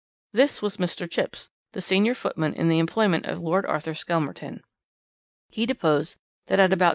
"This was Mr. Chipps, the senior footman in the employment of Lord Arthur Skelmerton. He deposed that at about 10.